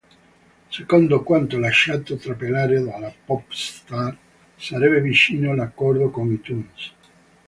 Secondo quanto lasciato trapelare dalla popstar, sarebbe vicino l'accordo con iTunes.